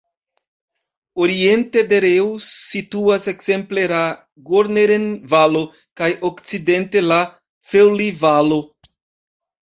Oriente de Reuss situas ekzemple la "Gorneren-Valo" kaj okcidente la "Felli-Valo".